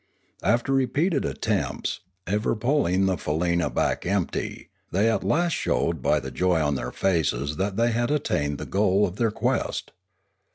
After repeated attempts, ever pulling the faleena back empty, they at last showed by the joy on their faces that they had at tained the goal of their quest.